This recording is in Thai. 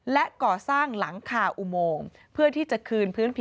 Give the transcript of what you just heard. และก่อสร้างหลังคาอุโมงเพื่อที่จะคืนพื้นผิว